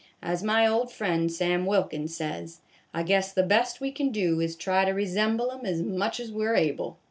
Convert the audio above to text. As my old friend, Sam Wilkins, says, I guess the best we can do is to try to resemble 'em as much as we 're able."